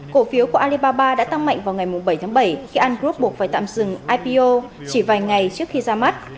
cổ phiếu của alibaba đã tăng mạnh vào ngày bảy tháng bảy khi angroup buộc phải tạm dừng ipo chỉ vài ngày trước khi ra mắt